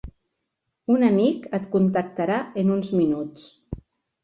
Un amic et contactarà en uns minuts.